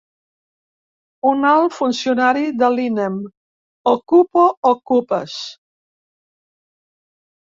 Un alt funcionari de l'INEM: —Ocupo okupes.